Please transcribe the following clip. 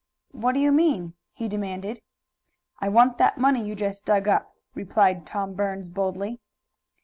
"What do you mean?" he demanded. "I want that money you just dug up," replied Tom Burns boldly.